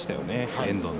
遠藤の。